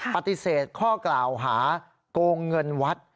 ปฏิเสธข้อกล่าวหาโกงเงินวัด